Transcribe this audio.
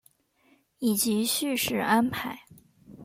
以及叙事安排